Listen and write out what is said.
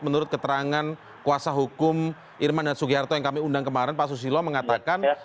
menurut keterangan kuasa hukum irman dan sugiharto yang kami undang kemarin pak susilo mengatakan